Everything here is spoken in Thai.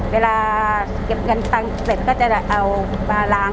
เวลาเก็บเงินตังค์เสร็จก็จะเอามาล้าง